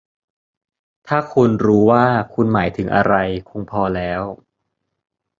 ถ้าคุณรู้ว่าคุณหมายถึงอะไร คงพอแล้ว